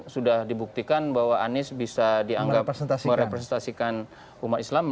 sudah dibuktikan bahwa anies bisa dianggap merepresentasikan umat islam